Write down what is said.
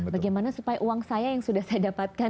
bagaimana supaya uang saya yang sudah saya dapatkan